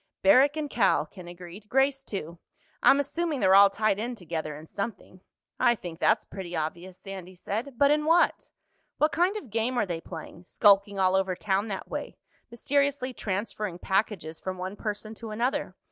"Barrack and Cal," Ken agreed. "Grace too. I'm assuming they're all tied in together in something." "I think that's pretty obvious," Sandy said. "But in what? What kind of game are they playing—skulking all over town that way, mysteriously transferring packages from one person to another?